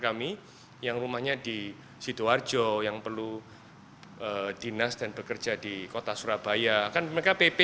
kami yang rumahnya di sidoarjo yang perlu dinas dan bekerja di kota surabaya kan mereka pp